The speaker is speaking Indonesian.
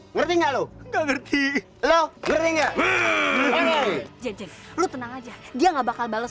ngerti nggak lu nggak ngerti lo berengga hai jadjad lu tenang aja dia nggak bakal bales